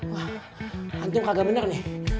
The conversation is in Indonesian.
wah antum kagak bener nih